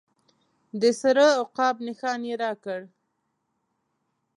د سره عقاب نښان یې راکړ.